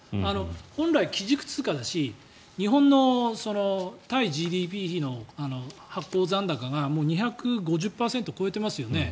本来、基軸通貨だし日本の対ＧＤＰ比の発行残高が２５０％超えてますよね。